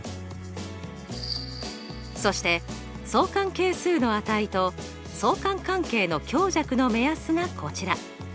そして相関係数の値と相関関係の強弱の目安がこちら。